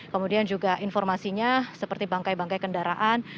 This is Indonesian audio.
kemudian juga informasinya seperti bangkai bangkai kendaraan